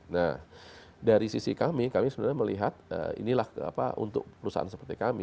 nah dari sisi kami kami sebenarnya melihat inilah untuk perusahaan seperti kami